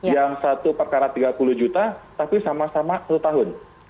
yang satu perkara tiga puluh juta tapi sama sama satu tahun